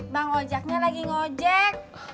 bang ojaknya lagi nge ojek